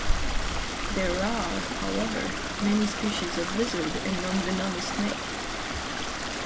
There are, however, many species of lizard and non-venomous snake.